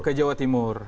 ke jawa timur